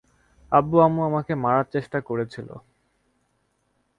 আব্বু, আম্মু আমাকে মারার চেষ্টা করেছিল!